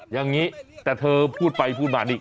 อย่างนี้แต่เธอพูดไปพูดมานี่